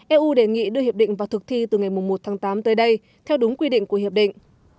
eu đề nghị đưa hiệp định vào thực thi từ ngày một tháng tám tới đây theo đúng quy định của hiệp định